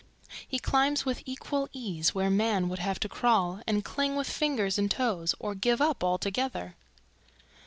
He climbs with equal ease where man would have to crawl and cling with fingers and toes, or give up altogether.